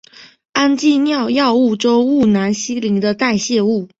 氨基脲药物中呋喃西林的代谢物。